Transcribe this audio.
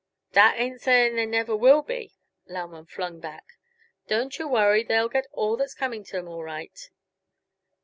"That ain't saying there never will be," Lauman flung back. "Don't yuh worry, they'll get all that's coming to them, all right."